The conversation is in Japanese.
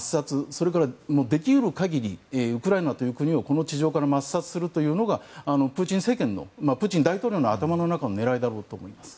それから、でき得る限りウクライナという国をこの地上から抹殺するというのがプーチン大統領の頭の中の狙いだろうと思います。